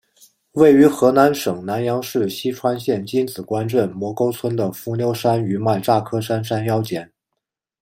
位于河南省南阳市淅川县荆紫关镇磨沟村的伏牛山余脉乍客山山腰间。